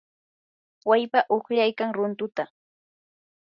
wallpam uqlaykan runtunta.